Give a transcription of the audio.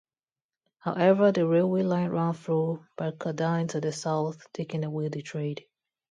However, the railway line ran through Barcaldine to the south, taking away the trade.